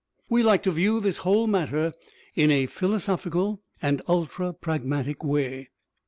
We like to view this whole matter in a philosophical and ultra pragmatic way.